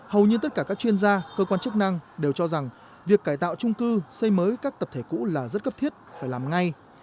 hầu như tất cả các chuyên gia cơ quan chức năng đều cho rằng việc cải tạo trung cư xây mới các tập thể cũ là rất cấp thiết phải làm ngay